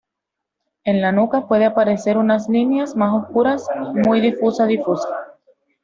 En la nuca puede aparecer una línea más oscura muy difusa difusa.